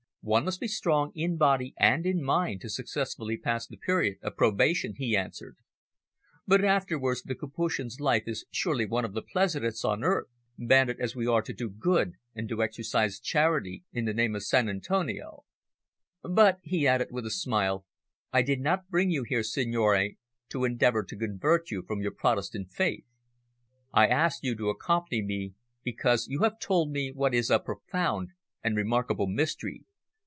One must be strong in body and in mind to successfully pass the period of probation," he answered. "But afterwards the Capuchin's life is surely one of the pleasantest on earth, banded as we are to do good and to exercise charity in the name of Sant' Antonio. But," he added, with a smile, "I did not bring you here, signore, to endeavour to convert you from your Protestant faith. I asked you to accompany me, because you have told me what is a profound and remarkable mystery.